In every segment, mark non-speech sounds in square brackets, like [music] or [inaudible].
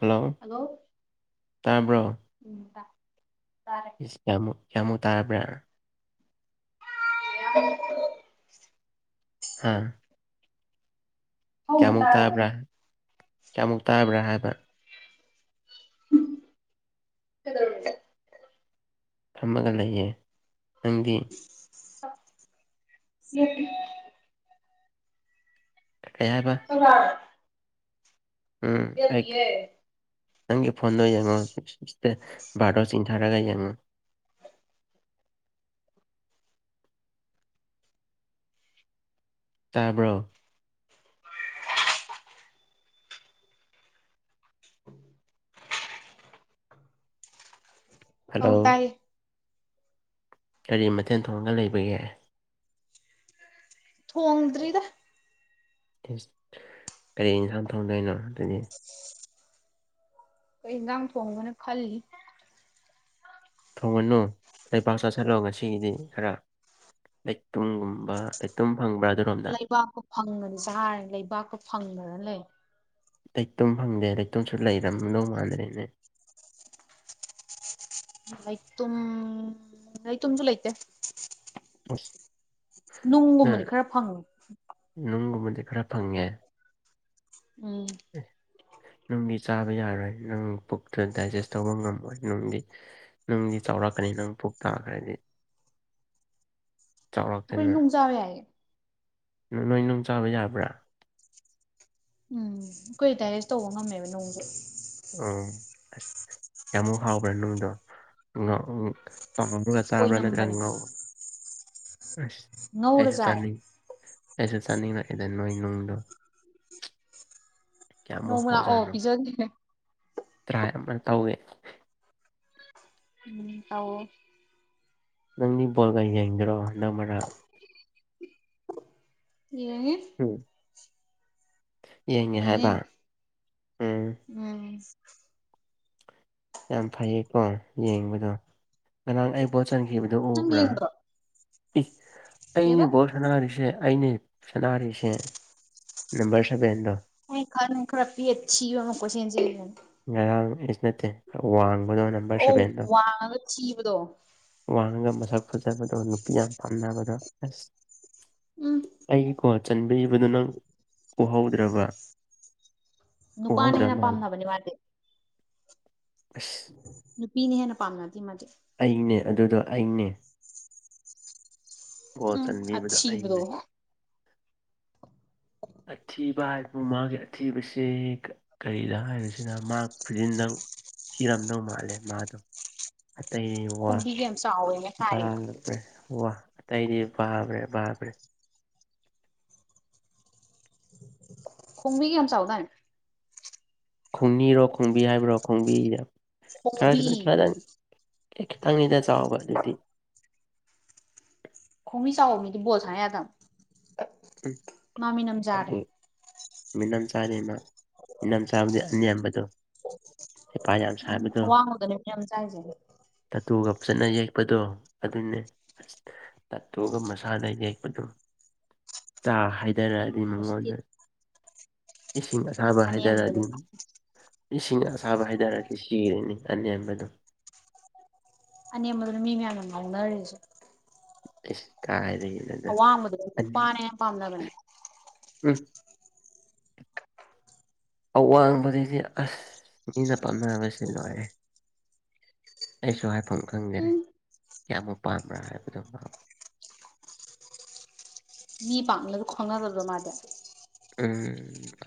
Hello ꯇꯥꯕ꯭ꯔꯣ ꯎꯝ ꯇꯥꯔꯦ ꯀꯃꯨ ꯀꯃꯨ ꯇꯥꯔꯕ꯭ꯔꯥꯔ [unintelligible] ꯍꯥꯥ ꯍꯧꯅ ꯀꯌꯥꯃꯨꯛ ꯇꯥꯔꯤꯕ ꯇꯥꯕ꯭ꯔꯥ ꯀꯌꯥꯃꯨꯛ ꯇꯥꯕ꯭ꯔꯥ ꯍꯥꯏꯕ ꯀꯩꯗꯧꯔꯤꯅꯣ ꯊꯝꯃꯒ ꯂꯩꯌꯦ ꯅꯪꯗꯤ [unintelligible] ꯀꯩ ꯍꯥꯏꯕ [unintelligible] ꯎꯝ ꯑꯩ ꯂꯦꯞꯄꯤꯌꯦ ꯅꯪꯒꯤ ꯐꯣꯟꯗꯣ ꯌꯦꯡꯉꯣ ꯕꯥꯔꯗꯣ ꯁꯤꯡꯊꯥꯔꯒꯥ ꯌꯦꯡꯉꯣ ꯇꯥꯕ꯭ꯔꯣ ꯍꯜꯂꯣ ꯑꯧ ꯇꯥꯏꯌꯦ ꯀꯔꯤ ꯃꯊꯦꯜ ꯊꯣꯡꯔꯒ ꯂꯩꯕꯒꯦ ꯊꯣꯡꯗꯔꯤꯗ ꯀꯔꯤ ꯑꯦꯟꯁꯥꯡ ꯊꯣꯡꯗꯅꯣ ꯑꯗꯨꯗꯤ ꯀꯈꯣꯏ ꯏꯟꯒꯥꯡ ꯊꯣꯡꯕꯅ ꯈꯜꯂꯤ ꯊꯣꯡꯉꯅꯨꯕꯥꯛ ꯆꯠꯁꯤꯜꯂꯣ ꯉꯁꯤꯒꯤꯗꯤ ꯈꯔ ꯂꯩꯇꯨꯝꯒꯨꯝꯕ ꯂꯩꯇꯨꯝ ꯐꯪꯕ꯭ꯔꯥ ꯑꯗꯨꯔꯣꯝꯗ ꯂꯩꯕꯥꯛꯀ ꯐꯪꯉꯅꯤ ꯆꯥꯔꯅꯤ ꯂꯩꯕꯥꯛꯀ ꯐꯪꯗꯅ ꯂꯩ ꯂꯩꯇꯣꯝ ꯐꯪꯗꯦ ꯂꯩꯇꯣꯝꯁꯨ ꯂꯩꯔꯝꯗꯧ ꯃꯥꯟꯗ꯭ꯔꯦꯅꯦ ꯂꯥꯏ ꯇꯥꯏ ꯇꯨꯁꯨꯂꯥꯏꯇ ꯈꯔ ꯐꯪꯉꯤ ꯅꯨꯡꯒꯨꯝꯕꯗꯤ ꯈꯔ ꯐꯪꯉꯦ ꯎꯝ [unintelligible] ꯆꯥꯕ ꯌꯥꯔꯣꯏ ꯅꯪ ꯄꯨꯛꯇꯨ ꯗꯥꯏꯖꯦꯁ ꯇꯧꯕ ꯉꯝꯃꯣꯏ ꯅꯨꯡꯒꯤ ꯅꯨꯡꯒꯤ ꯆꯥꯎꯔꯛꯀꯅꯤ ꯅꯪ ꯄꯨꯛ ꯇꯥ ꯍꯥꯏꯗꯤ [unintelligible] ꯑꯩꯈꯣꯏ ꯆꯥꯎꯔꯛꯇꯅ ꯅꯨꯡ ꯆꯥ ꯍꯥꯏꯌꯦ ꯅꯣꯏ ꯅꯨꯡ ꯆꯥꯕ ꯌꯥꯕ꯭ꯔꯥ ꯎꯝ ꯀꯏꯇꯥꯔꯦꯁꯨ ꯇꯧꯕ ꯉꯝꯃꯦꯕ ꯅꯣꯡꯁꯦ ꯑꯣ ꯑꯁ ꯀꯌꯥꯃꯨꯛ ꯍꯥꯎꯕ꯭ꯔꯥ ꯅꯨꯡꯗꯣ ꯉ [unintelligible] ꯆꯥꯕ꯭ꯔ ꯅꯠꯇꯔꯥ ꯑꯣꯏꯅꯝꯕꯅꯦ ꯉꯩ ꯑꯁ ꯉꯧꯔ ꯑꯩꯁꯨ ꯆꯥꯏ ꯆꯥꯟꯅꯤꯡꯉꯦ ꯑꯩꯁꯨ ꯆꯥꯅꯤꯡꯂꯛꯏꯗ ꯅꯣꯏ ꯅꯨꯡꯗꯣ ꯅꯣꯡꯃꯅ ꯑꯣ ꯄꯤꯖꯔꯤꯈꯦ ꯇꯔꯥꯏꯥ ꯑꯃꯅ ꯇꯧꯒꯦ ꯎꯝ ꯇꯥꯎ ꯅꯪꯗꯤ ꯕꯣꯜꯒ ꯌꯦꯡꯗ꯭ꯔꯣ ꯅꯪꯃꯔꯥ ꯌꯦꯅꯦ ꯎꯝ ꯌꯦꯡꯉꯦ ꯍꯥꯏꯕ ꯎꯝ ꯎꯝ ꯌꯥꯝ ꯐꯩꯌꯦꯀꯣ ꯌꯦꯡꯕꯗꯣ ꯉꯔꯥꯡ ꯑꯩꯕꯨꯟ ꯆꯟꯈꯤꯕꯗꯨ ꯅꯪ ꯎꯕ꯭ꯔꯥ ꯌꯦꯡꯗ꯭ꯔꯣ ꯏ ꯑꯩꯅꯦ ꯀꯩꯕ ꯕꯣ ꯁꯥꯟꯅꯔꯤꯁꯦ ꯑꯅꯦ ꯁꯥꯟꯅꯔꯤꯁꯦ ꯅꯝꯕꯔ ꯁꯕꯦꯟꯗꯣ ꯑꯩ ꯈꯔ ꯈꯔꯄꯤ ꯑꯤ ꯋꯥꯏꯁꯤꯅꯤ ꯉꯔꯥꯡ ꯑꯩꯁꯨ ꯅꯠꯇꯦ ꯈꯔ ꯋꯥꯡ ꯑꯧ ꯅ ꯋꯥꯡꯉꯒ ꯊꯤꯕꯗꯣ ꯋꯥ ꯒ ꯃꯁꯛ ꯐꯖꯕꯗꯣ ꯅꯨꯄꯤ ꯌꯥꯝ ꯄꯥꯝꯅꯕꯗꯣ ꯑꯁ ꯎꯝ ꯑꯩꯒꯤ ꯀꯣ ꯆꯟꯕꯤꯕꯗꯨ ꯅꯪ ꯎꯍꯧꯗ꯭ꯔꯕ ꯅꯨꯄꯥꯅ ꯎꯍꯧꯗ꯭ꯔ ꯍꯦꯟꯅ ꯄꯥꯝꯅꯕꯅꯤ ꯃꯥꯗꯤ ꯕꯁ ꯄꯤꯅꯤ ꯍꯦꯟꯅ ꯄꯥꯝꯅꯗꯦꯃꯦ ꯑꯩꯅꯦ ꯑꯗꯨꯗꯣ ꯑꯩꯅꯦ ꯒꯣꯜ ꯎꯝ ꯆꯟꯕꯤꯕꯗꯣ ꯑꯩꯅꯦ ꯑꯤꯕꯨ꯭ꯔꯣ ꯑꯊꯤꯕ ꯍꯥꯏꯕꯕꯨ ꯃꯥꯒꯤ ꯑꯊꯤꯕꯁꯤ ꯀꯔꯤꯗ ꯍꯥꯏꯕꯁꯤꯅ ꯃꯥ ꯈꯨꯗꯤꯟꯗꯪ ꯊꯤꯔꯝꯗꯧ ꯃꯥꯜꯂꯦ ꯃꯥꯗꯣ ꯑꯇꯩ ꯋꯥ ꯈꯣꯡꯕꯤꯒ ꯌꯥꯝ ꯆꯥꯎꯋꯦꯅ ꯍꯥꯏꯌꯦ ꯛꯂꯦ ꯋꯥ ꯑꯇꯩꯗꯤ ꯄꯥꯃ꯭ꯔꯦ ꯄꯥꯃ꯭ꯔꯦ ꯀꯨꯝꯃꯤꯒ ꯌꯥꯝ ꯆꯧꯗꯥꯅꯤ ꯈꯣꯡꯅꯤꯔꯣ ꯈꯣꯡꯕꯤ ꯍꯥꯏꯕ꯭ꯔꯣ ꯈꯣꯡꯕꯤ ꯍꯣꯕꯤ ꯑꯦꯇꯪꯗ ꯆꯑꯣꯕ ꯑꯗꯨꯗꯤ ꯈꯣꯡꯃꯤ ꯆꯥꯎꯕ ꯃꯤꯗꯤ ꯕꯣꯜꯁ ꯌꯥꯗꯕ ꯃꯥꯃꯤꯅꯝꯖꯥꯔꯦ ꯃꯤꯅꯝ ꯁꯥꯔꯤꯅ ꯃꯤꯅꯝ ꯁꯥꯕꯗꯤ ꯑꯅꯕꯗꯣ ꯍꯄꯥ ꯌꯥꯝ ꯎꯝ ꯁꯥꯕꯗꯣ ꯑꯋꯥꯡꯕꯗꯅꯦ ꯃꯤꯅꯝꯖꯥꯔꯤꯁꯦ ꯇꯠꯇꯨꯒ ꯐꯖꯅ ꯌꯦꯛꯄꯗꯣ ꯑꯗꯨꯅꯦ ꯑꯁ ꯇꯠꯇꯣꯛꯑꯒ ꯃꯁꯥꯗ ꯌꯦꯛꯄꯗꯣ [unintelligible] ꯆꯥ ꯍꯥꯏꯗꯔꯛꯑꯗꯤ ꯃꯨꯁꯀꯤꯠ ꯃꯉꯣꯟꯗ ꯏꯁꯤꯡ ꯑꯁꯥꯕ ꯍꯥꯏꯇꯥꯔꯦ ꯑꯅꯦꯝꯕꯗꯨꯅꯦ ꯑꯗꯨꯗꯤ ꯏꯁꯤꯡ ꯁꯥꯕ ꯍꯥꯏꯇꯥꯔꯒꯗꯤ ꯁꯤꯔꯅꯤ ꯑꯅꯦꯝꯕꯗꯣ ꯑ ꯑ ꯃꯗꯨ ꯃꯤ ꯃꯌꯥꯝꯅ ꯉ ꯎꯅꯔꯔꯤꯁ ꯀꯥꯏ ꯑꯋꯥꯡꯕꯗꯄꯥꯥꯅꯦ ꯌꯥꯝ ꯄꯥꯝꯅꯕꯅꯦ ꯎꯝ ꯑꯋꯥꯡꯕꯗꯗꯤ ꯑꯁ ꯃꯤꯅ ꯄꯥꯝꯅꯕꯁꯤ ꯂꯣꯏꯦ ꯑꯩꯁꯨ ꯍꯥꯏꯐꯝ ꯈꯪꯗꯦ ꯎꯝ ꯀꯅ ꯄꯥꯝꯕ꯭ꯔꯥ ꯍꯥꯏꯕꯗꯨꯣ ꯄꯥꯎ ꯃꯤ ꯄꯥꯡꯅ ꯑꯗꯨ ꯈꯪꯅ ꯆꯗ ꯃꯥꯗ [unintelligible]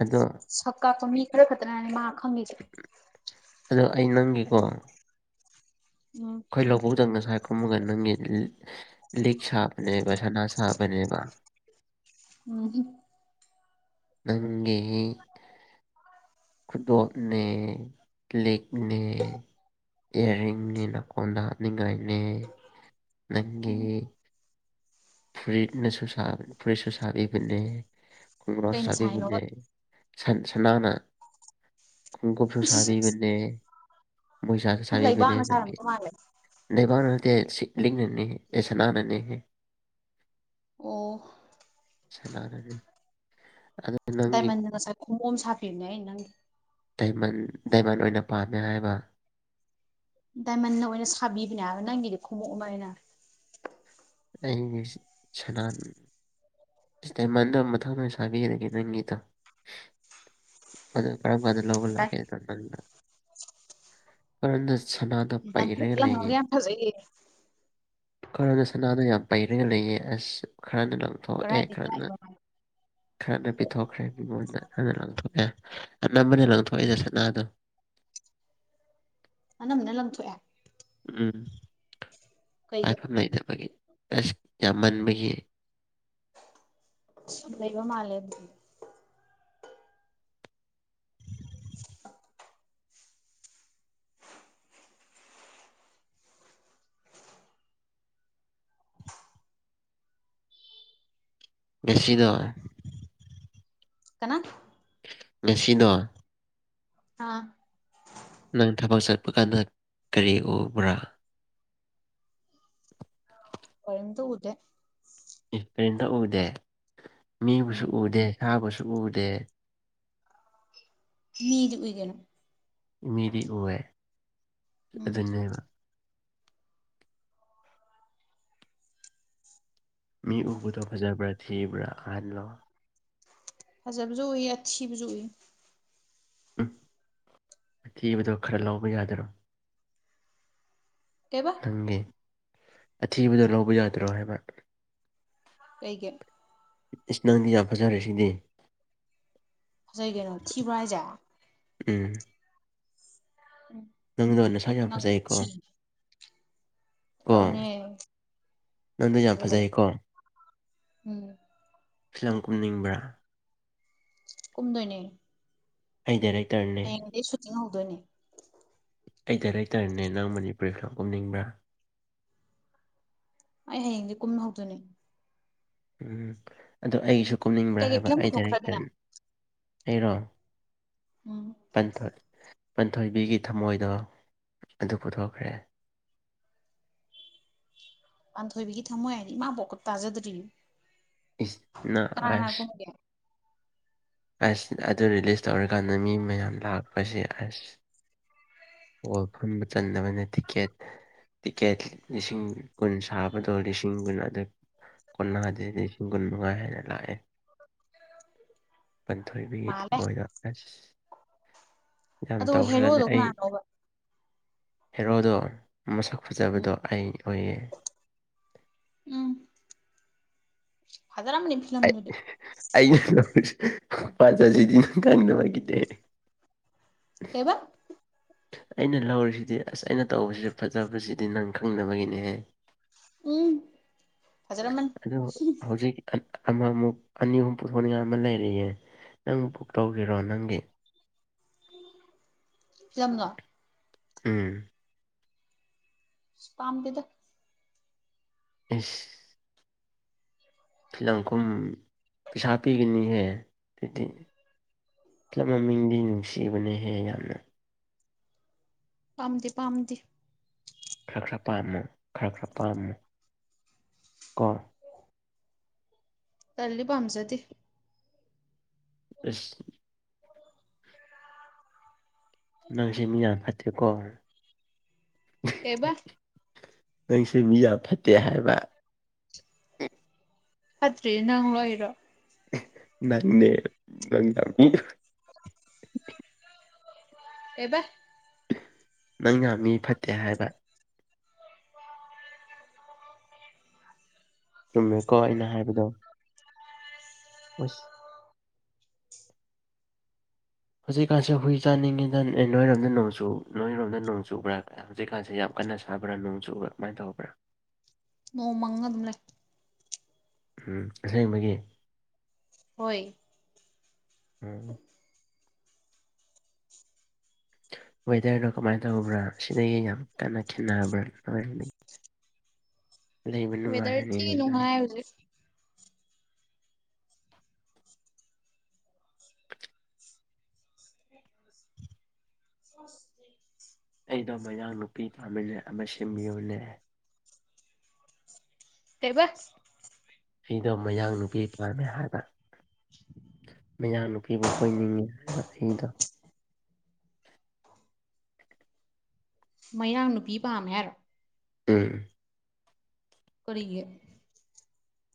ꯁꯛ ꯀꯥꯞꯄ ꯃꯤ ꯈꯔ ꯈꯛꯇꯅꯅꯤ ꯃꯥ ꯈꯪꯉꯁꯦ ꯑꯗꯣ ꯑꯩ ꯅꯪꯒꯤꯀꯣ ꯎꯝ ꯑꯩꯈꯣꯏ ꯂꯧꯕꯧꯖꯪꯅꯁꯦ ꯀꯨꯝꯃꯒ ꯅꯪꯒꯤ ꯂꯤꯛ ꯁꯥꯕꯅꯦꯕ ꯁꯅꯥ ꯁꯥꯕꯅꯦꯕ [unintelligible] ꯅꯪꯒꯦ ꯐꯨꯗꯒꯅꯦ ꯂꯛꯅꯦ ꯏꯌꯥꯔꯤꯡꯅꯤ ꯅꯀꯣꯟꯗ ꯍꯥꯠꯅꯤꯡꯉꯥꯏꯅꯤ ꯅꯪꯒꯤ ꯎꯝ ꯐꯨꯔꯤꯠꯅ ꯁ ꯐꯨꯔꯤꯠ ꯁ ꯁꯥꯥ ꯏꯕꯅ ꯈꯣꯡꯒ꯭ꯔꯥꯁ ꯀꯩꯅ ꯁꯥꯏꯅꯣꯕ ꯁꯥꯗꯤꯕꯨꯅꯦ ꯁꯅꯥꯅ ꯀꯨꯀꯨꯞꯞꯁꯨꯣꯁꯕꯤ ꯃꯣꯏꯁꯁꯕꯤ ꯄꯅꯦ ꯂꯩꯕꯥꯛꯅ ꯅꯪ ꯁꯥꯔꯝꯗꯧ ꯃꯥꯜꯂꯦ ꯗꯕ ꯁꯤꯂꯤꯅꯤ ꯑꯦꯁꯅꯥꯅꯤ ꯍ ꯑꯣ ꯆꯂꯔ ꯗꯥꯏꯃꯟꯗ ꯉꯁꯥꯏ ꯈꯣꯡꯃꯣꯝ ꯁꯥꯄꯤꯌꯅꯦ ꯑꯩ ꯅꯪꯒꯤ ꯗꯥ ꯗꯥꯏꯃꯟ ꯑꯣꯏꯅ ꯄꯥꯝꯃꯦ ꯍꯥꯏꯕ ꯗꯥꯏꯃꯟꯅ ꯑꯣꯏꯅ ꯁꯥꯕꯤꯕꯅꯦ ꯍꯥꯏꯕ ꯅꯪꯒꯤꯗꯤ ꯈꯣꯡꯎꯞ ꯑꯃ ꯑꯣꯏꯅ ꯑꯒꯤꯁ ꯆꯂ ꯇꯥꯏꯃꯟꯗ ꯃꯊꯪꯗꯣꯏ ꯁꯥꯕꯤꯔꯒꯦ ꯅꯣꯏꯒꯤꯗ ꯑꯗꯨ ꯀꯔꯝꯕ ꯑꯗꯨ ꯂꯧꯕ ꯂꯥꯛꯅ ꯀ ꯁꯅꯥꯗ ꯂꯪꯇ꯭ꯔꯤꯛ ꯄꯥꯏꯔꯒ ꯂꯪꯉꯒ ꯂꯩꯌꯦꯔꯅ ꯌꯥꯝ ꯐꯖꯩꯌꯦ ꯑ ꯌꯥꯝ ꯄꯩꯔꯒ ꯂꯩꯌꯦ ꯑꯁ ꯈꯔꯅ ꯂꯪꯊꯣꯛꯑꯦ ꯀꯗꯥꯏꯗꯒꯤ ꯈꯔꯅ ꯂꯥꯛꯏꯕ ꯃꯥ ꯈꯔꯅ ꯄꯤꯊꯣꯛꯈ꯭ꯔꯦ ꯃꯤꯉꯣꯟꯗ ꯈꯔꯅ ꯂꯪꯊꯣꯛꯑꯦ ꯑꯅꯝꯕꯅꯦ ꯂꯪꯊꯣꯛꯏꯗ ꯁꯅꯥꯗꯣ ꯑꯅꯝꯕꯅ ꯂꯊꯣꯛꯑꯦ ꯎꯝ ꯀꯩꯒꯤ ꯄꯥꯏꯐꯝ ꯂꯩꯇꯕꯒꯤ ꯑꯦꯁ ꯀ ꯃꯟꯕꯌꯦ ꯁꯗꯩꯕ ꯃꯥꯂꯦ [unintelligible] ꯁꯤꯗ ꯀꯅꯥ ꯁꯤꯗ ꯑꯥ ꯅꯪ ꯊꯕꯛ ꯆꯠꯄ ꯀꯥꯟꯗ ꯀꯔꯤ ꯎꯕ꯭ꯔꯥ ꯀꯔ ꯇ ꯎꯗꯦ ꯀꯔꯤꯝꯇ ꯎꯗꯦ ꯃꯤꯕꯨꯁꯨ ꯎꯝ ꯎꯗꯦ ꯁꯥꯕꯨꯁꯨ ꯎꯗꯦ ꯃꯤꯔ ꯑꯣꯏꯒꯅ ꯏ ꯃꯗꯤ ꯑꯣꯋꯦ ꯎꯝ ꯑꯗꯨꯗꯕ ꯃꯤ ꯎꯕꯗꯣ ꯐꯖꯕ꯭ꯔꯥ ꯊꯤꯕ꯭ꯔꯥ ꯑꯍꯜꯂꯣ ꯍꯖꯕꯨꯁꯨꯏ ꯑꯊꯤꯕꯁꯨꯏ ꯎꯝ ꯃꯊꯤꯕꯗꯣ ꯈꯔ ꯂꯧꯕ ꯌꯥꯗꯔꯣ ꯀꯩꯕ ꯅꯪꯒꯤ ꯑꯊꯤꯕꯗꯣ ꯂꯧꯕ ꯌꯥꯗ꯭ꯔꯣ ꯍꯥꯏꯕ ꯀꯩꯒ ꯏꯁꯅꯥꯥꯡꯗꯤ ꯌꯥꯝ ꯐꯖꯥ ꯔꯁꯤꯗꯦ ꯍꯁꯥꯏ ꯀꯩꯅꯣ ꯊꯤꯕ꯭ꯔꯥ ꯍꯥꯏꯖ ꯎꯝ ꯅꯪꯗꯟꯅꯁꯥ ꯌꯥꯝ ꯐꯖꯩꯀꯣ ꯀꯣ ꯅꯪꯗꯣ ꯌꯥꯝ ꯇꯕꯅꯤꯕꯅꯤ ꯐꯖꯩꯀꯣ ꯎꯝ ꯐꯤꯂꯝ ꯀꯨꯝꯅꯤꯡꯕ꯭ꯔꯥ ꯀꯨꯝꯗꯣꯏꯅꯦ ꯍꯗꯔꯦ ꯍꯌꯦꯡꯗꯒꯤ ꯁꯨꯇꯤꯡ ꯍꯧꯗꯣꯏꯅꯦ ꯄ꯭ꯔꯤꯊ ꯀꯨꯝꯅꯤꯡꯕ꯭ꯔꯥ ꯑꯩ ꯍꯌꯦꯡꯁ ꯀꯨꯝ ꯍꯧꯗꯣꯏꯅꯤ ꯎꯝ ꯑꯗ ꯑꯩꯁꯨ ꯀꯨꯝꯅꯤꯡꯕ꯭ꯔꯥ ꯀꯩꯀꯩ ꯍꯥꯏꯕ ꯐꯤꯂꯝ ꯑꯩ ꯄꯨꯊꯣꯛꯈ꯭ꯔꯒꯦ ꯅꯪ ꯗꯥꯏꯔꯦꯛꯇꯔꯤꯅꯤ ꯑꯩꯔꯣꯊ ꯎꯝ ꯄꯟꯊꯣꯏꯕꯤꯒꯤ ꯊꯃꯣꯏꯗꯣ ꯑꯗꯨ ꯄꯨꯊꯣꯛꯈ꯭ꯔꯦ ꯄꯥꯟꯊꯣꯏꯕꯤꯒꯤ ꯊꯝꯃꯣꯏ ꯍꯥꯏꯗꯤ ꯏꯃꯥ ꯄꯣꯛꯀꯞ ꯇꯥꯖꯗ꯭ꯔꯤ ꯀꯅꯥ ꯀꯅꯥ ꯏꯁꯅꯑꯁ ꯀꯨꯝꯒꯦ ꯑꯁ ꯑꯗꯨ ꯔꯤꯂꯤꯁ ꯇꯧꯔꯀꯥꯟꯗ ꯃꯤ ꯃꯌꯥꯝ ꯂꯥꯛꯄꯁꯦ ꯑꯁ ꯑꯣꯏ ꯐꯝꯕ ꯆꯟꯅꯕꯅ ꯇꯤꯀꯦꯠ ꯇꯤꯀꯦꯠ ꯂꯤꯁꯤꯡ ꯀꯨꯟ ꯁꯥꯕꯗꯣ ꯂꯤꯁꯤꯡ ꯀꯨꯟ ꯑꯗꯨꯗ ꯀꯨꯟꯥꯁꯦ ꯂꯤꯁꯤꯡ ꯀꯨꯟ ꯃꯉꯥ ꯍꯥꯏꯅ ꯂꯥꯛꯑꯦ [unintelligible] ꯄꯟꯊꯣꯏꯕꯤꯠ ꯃꯥꯜꯂꯦ ꯃꯣꯏꯁ ꯌꯥꯝ ꯑꯗꯣ ꯇꯧꯈ꯭ꯔꯕꯅꯤ ꯍꯦꯔꯣꯗꯣ ꯑꯩ ꯀꯅꯥꯅꯣꯕ ꯍꯦꯔꯣꯗꯔ ꯃꯁꯛ ꯎꯝ ꯐꯖꯕꯗꯣ ꯑꯩ ꯑꯣꯏꯌꯦ ꯍꯖꯔ ꯃꯅꯤ ꯑꯩ ꯄꯂꯗꯗꯤ ꯑꯩꯅ ꯄꯥꯖꯁꯤꯗꯤ ꯅꯪ ꯈꯪꯅꯕꯒꯤꯅꯦ ꯀꯕ ꯑꯩꯅ ꯂꯧꯔꯤꯁꯤꯗꯤ ꯑꯁ ꯑꯩꯅ ꯇꯧꯕꯁꯤꯗ ꯐꯖꯕꯁꯤꯗꯤ ꯅꯪ ꯈꯪꯅꯕꯒꯤꯅꯦ ꯍꯥꯏ ꯎꯝ ꯐꯖꯔꯝꯃꯅꯤ ꯑꯣ ꯍꯧꯖꯤꯛ ꯑꯃꯃꯨꯛ ꯑꯅꯤ ꯑꯍꯨꯝ ꯄꯨꯊꯣꯛꯅꯤꯡꯉꯥꯏ ꯑꯃ ꯂꯩꯔꯤꯌꯦꯦ ꯅꯪ ꯕꯨꯛ ꯇꯧꯒꯤꯔꯣ ꯅꯪꯒꯤ ꯝꯅ ꯎꯝ ꯇꯝ ꯀꯗ ꯎꯝ ꯐꯤ ꯂꯪꯈꯨꯝ ꯄꯩꯁꯥ ꯄꯤꯒꯅꯤꯍꯦ ꯑꯗꯨꯗꯤ ꯈꯞ ꯃꯃꯤꯡꯗꯤ ꯅꯨꯡꯁꯤꯕꯅꯍꯦ ꯌꯥꯝꯅ ꯄꯥꯝꯗꯦ ꯄꯥꯝꯗꯦ ꯈꯔ ꯈꯔ ꯄꯥꯝꯃꯨ ꯈꯔ ꯈꯔ ꯄꯥꯝꯃꯨ ꯀꯣ ꯀꯂꯤ ꯄꯥꯝꯖꯗꯤ ꯑꯁ ꯅꯪꯁꯦ ꯃꯤ ꯌꯥꯝ ꯐꯠꯇꯦꯀꯣ ꯑꯦꯕ ꯅꯪꯁꯦ ꯃꯤ ꯌꯥꯝ ꯐꯠꯇꯦ ꯍꯥꯏꯕ ꯑꯗ꯭ꯔꯤ ꯅꯪ ꯋꯥ ꯏꯔꯣ ꯅꯦ ꯅ ꯑꯦꯕ ꯅꯪ ꯉ ꯃꯤ ꯐꯠꯇꯦ ꯍꯥꯏꯕ ꯆꯨꯝꯃꯦꯀꯣ ꯑꯩꯅ ꯍꯥꯏꯕꯗꯣ ꯑꯁ ꯍꯧꯖꯤꯛꯀꯥꯟꯁꯦ ꯍꯨꯏ ꯆꯥꯅꯤꯡꯉꯤꯗꯅ ꯅꯣꯏꯔꯣꯝꯗ ꯅꯣꯡꯆꯨ ꯅꯣꯏꯔꯣꯝꯗ ꯅꯣꯡ ꯆꯨꯕ꯭ꯔꯥ ꯍꯧꯖꯤꯛꯀꯥꯟꯁꯦ ꯌꯥꯝ ꯐꯅ ꯁꯥꯕ꯭ꯔꯥ ꯅꯣꯡ ꯆꯨꯕꯥ ꯀꯃꯥꯏꯅ ꯇꯧꯕ꯭ꯔꯥ ꯅꯣꯡꯃꯉ ꯑꯗꯨꯝ ꯂꯩ ꯎꯝ ꯑꯁꯦꯡꯕꯒꯤ ꯍꯣꯏ ꯎꯝ ꯋꯦꯗꯔꯅꯣ ꯀꯃꯥꯏꯅ ꯇꯧꯕ꯭ꯔꯥ ꯁꯤꯗꯒꯤ ꯌꯥꯝ ꯀꯟꯅ ꯊꯤꯟꯅꯔꯕ꯭ꯔꯥꯔꯅꯤ [inaudible] ꯋꯦꯗꯔꯁꯤ ꯅꯣꯏ꯫ ꯅꯅꯨꯡꯉꯥꯏ ꯍꯧꯖꯤꯦ ꯑꯣ ꯑꯩꯗꯣ ꯃꯌꯥꯡ ꯅꯨꯄꯤ ꯇꯥꯃꯤꯟꯅ ꯑꯃ ꯁꯤꯃꯤꯌꯨꯅꯦ ꯇꯕ ꯑꯩꯗꯣ ꯃꯌꯥꯡ ꯅꯨꯄꯤ ꯏꯄꯥꯝꯃꯦ ꯍꯥꯏꯕ ꯃꯌꯥꯝꯅꯨꯄꯤꯕꯨ ꯀꯣꯏꯅꯤꯡꯏꯤ ꯍꯥꯏꯕ ꯑꯩꯗ ꯃꯌꯥꯡ ꯅꯨꯄꯤ ꯄꯥꯝꯃꯦ ꯍꯥꯏꯔꯣ ꯎꯝ ꯀꯒ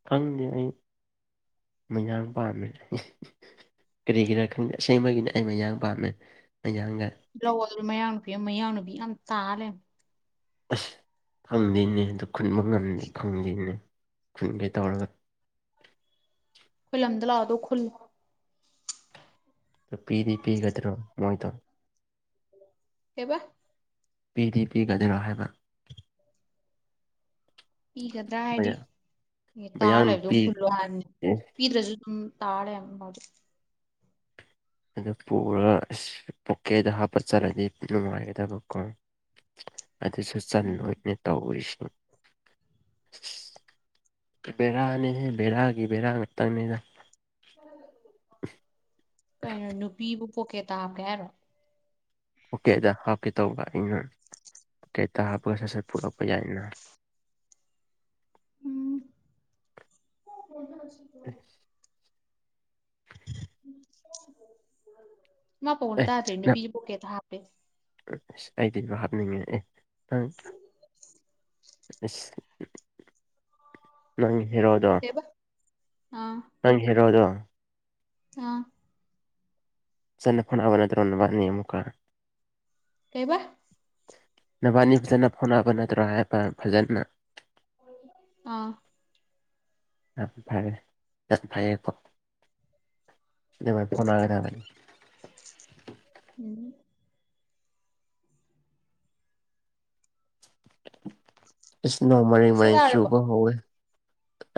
ꯈꯪꯗꯦ ꯑꯩ ꯃꯩꯅꯥꯥꯡ ꯄꯥꯃꯤꯁ ꯀꯔꯤꯒꯤꯔꯥ ꯈꯪꯁꯦꯡꯕꯒꯤꯅ ꯑꯩ ꯃꯌꯥ ꯄꯥꯝꯃꯦ ꯃꯌꯥꯡꯒ ꯕ꯭ꯂꯥꯎ ꯃꯌꯥꯡ ꯅꯨꯄꯤ ꯃꯌꯥꯡ ꯅꯨꯄꯤ ꯌꯥꯝ ꯇꯥꯜꯂꯦ ꯑꯁ ꯈꯪꯗꯣꯏꯅꯦ ꯑꯗꯨ ꯈꯨꯟꯕ ꯉꯝ ꯈꯪꯗꯣꯏꯅꯦ ꯈꯨꯟꯈꯩ ꯇꯧꯔꯒ ꯈꯨꯜꯗ ꯂꯥꯗꯣ ꯈꯜ ꯄꯤꯗꯤ ꯄꯤꯒꯗ꯭ꯔꯣ ꯃꯣꯏꯗ ꯍꯦꯕ ꯄꯤ ꯗꯤ ꯄꯤ ꯖꯤ ꯔꯍꯃꯟ ꯄꯤꯒꯗ꯭ꯔꯥ ꯍꯥꯏꯗꯤ ꯃꯌꯥꯡ ꯇꯥꯔ ꯃꯌꯥꯡ ꯂꯩꯕꯗꯣ ꯅꯨꯄꯤ ꯐꯨꯜꯂꯣ ꯍꯥꯏꯥꯟꯅꯤ ꯄꯤꯗ꯭ꯔꯁꯨ ꯑꯗꯨꯝ ꯇꯥꯔꯦ ꯑꯝꯕ ꯑꯗꯨ ꯑꯗꯨ ꯄꯨꯔꯒ ꯑꯁ ꯄꯣꯀꯦꯠꯇ ꯍꯥꯞꯄ ꯆꯠꯂꯅꯤ ꯅꯨꯡꯉꯥꯏꯒꯗꯕꯀꯣ [inaudible] ꯑꯗꯨꯁꯨ ꯎꯝ ꯆꯟꯣꯏꯅꯦ ꯇꯧꯁꯤ [inaudible] ꯕꯦꯔꯥꯅꯤꯁꯦ ꯕꯦꯔꯥꯒꯤ ꯕꯦꯔꯥ ꯉꯥꯛꯇꯪꯅꯤꯅ ꯀꯩꯅꯣ ꯅꯨꯄꯤꯕꯨ ꯄꯣꯛꯀꯦ ꯇꯥ ꯀꯦ ꯍꯥꯏꯔꯣ ꯄꯣꯀꯦꯠꯇ ꯍꯥꯞꯀꯦ ꯇꯧꯕ ꯑꯩꯅ ꯄꯣꯀꯦꯠꯇ ꯍꯥꯞꯄꯒ ꯁꯠ ꯁꯠ ꯄꯨꯂꯛꯄ ꯌꯥꯏꯅ ꯎꯝ [unintelligible] ꯃꯥ ꯄꯅ ꯑꯦ ꯇ ꯇꯦꯟꯅ ꯄꯕꯨ ꯀꯦ ꯊ ꯍꯥꯄꯦ ꯑꯩꯗꯤꯁꯨ ꯍꯥꯞꯅꯤꯡꯉꯦ ꯑꯦ ꯊꯪ ꯅꯣꯏ ꯍꯔꯣꯗ ꯑ ꯅꯪ ꯍꯔꯣꯗꯨꯣ ꯑ ꯁꯥꯟ ꯐ ꯑꯕ ꯅ ꯇ ꯔꯣꯟꯅꯤ ꯑꯃꯨꯀꯥ ꯀꯩꯕꯥ ꯅꯕꯥꯅꯤ ꯐꯖꯅ ꯐꯣꯅꯕ ꯅꯠꯇ꯭ꯔꯒ ꯍꯥꯏ ꯐꯖꯅ ꯑꯥ ꯑ ꯐꯔꯦ ꯆꯁ ꯐꯥꯏꯦꯀꯣ ꯑꯗꯨꯥꯏ ꯐꯣꯟꯒꯦꯒꯅꯤ ꯎꯝ ꯏꯁꯅꯣꯃꯔꯤ ꯆꯥꯛ ꯆꯥꯔꯕꯣ ꯃꯟꯁꯨꯨꯕꯥ ꯍꯦ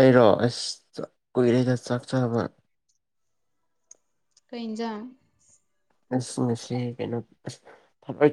ꯑꯩꯔꯣ ꯑꯁ ꯀꯨꯏꯔꯩꯗ ꯆꯥꯛ ꯆꯕ ꯀꯩꯖꯥ ꯑꯁ ꯉꯁꯦ ꯀꯩꯅꯣ ꯑꯁ ꯊꯏ ꯊ